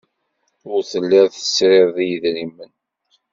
Ur tellid tesrid i yedrimen.